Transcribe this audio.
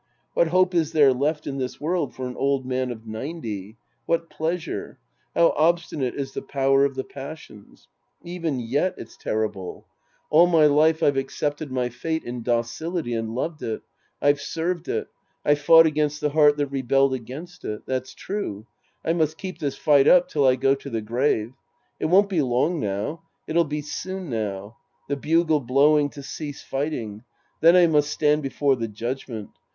What hope is there left in this world for an old man of ninety ? What pleasure ? How obstinate is the power of the passions ! Even yet it's terrible. Sc. 11 The Priest and His Disciples 227 All my life I've accepted my fate in docility and loved it. I've served it. I'^e fought against the heart that rebelled against it. That's true. I must keep this fight up till I go to the grave. It won't be long now. It'll be soon now. The bugle blowing to cease fighting. Then I must stand before the judgment.